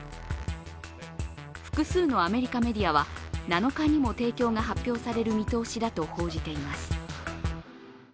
複数のアメリカメディアは、７日にも提供が発表される見通しだと報じています。